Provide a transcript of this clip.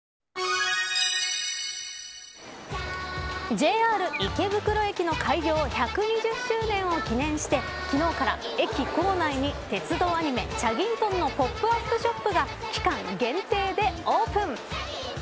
ＪＲ池袋駅の開業１２０周年を記念して昨日から、駅構内に鉄道アニメチャギントンのポップアップショップが期間限定でオープン。